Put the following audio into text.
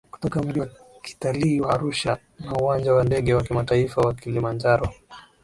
kutoka mji wa kitalii wa Arusha na Uwanja wa Ndege wa Kimataifa wa Kilimanjaro